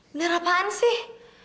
bener apaan sih